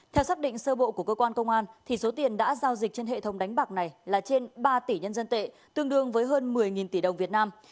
theo xác định sơ bộ của cơ quan công an số tiền đã giao dịch trên hệ thống đánh bạc này là trên ba tỷ nhân dân tệ tương đương với hơn một mươi tỷ đồng việt nam